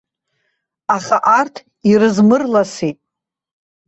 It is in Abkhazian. Аха арҭ ирызмырласит.